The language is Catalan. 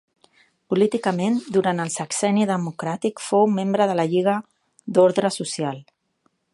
Políticament, durant el sexenni democràtic fou membre de la Lliga d'Ordre Social.